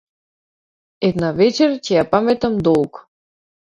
Една вечер ќе ја паметам долго.